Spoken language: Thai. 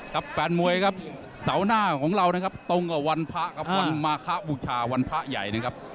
แฟนมวยครับเสาร์หน้าของเรานะครับตรงกับวันพระกับวันมาคะบูชาวันพระใหญ่นะครับ